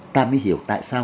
ta mới hiểu tại sao